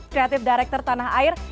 kreatif direktur tanah air